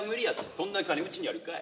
そんな金、うちにあるかい。